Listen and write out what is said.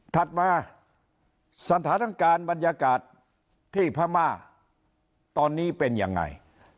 ถัดมาสถานการณ์บรรยากาศที่พม่าตอนนี้เป็นยังไง